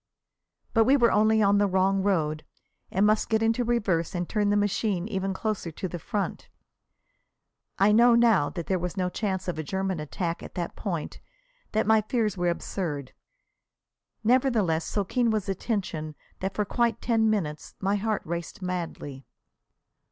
But we were only on the wrong road, and must get into reverse and turn the machine even closer to the front. I know now that there was no chance of a German attack at that point, that my fears were absurd. Nevertheless, so keen was the tension that for quite ten minutes my heart raced madly.